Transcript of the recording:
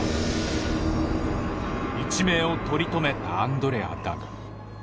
一命を取り留めたアンドレアだが。